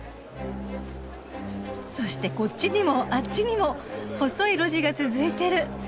そしてこっちにもあっちにも細い路地が続いてる。